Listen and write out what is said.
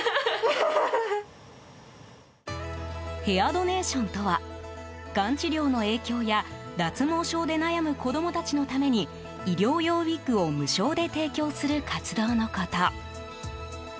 ヘアドネーションとはがん治療の影響や脱毛症で悩む子供たちのために医療用ウィッグを無償で提供する活動のこと。